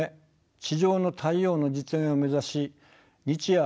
地上の太陽の実現を目指し日夜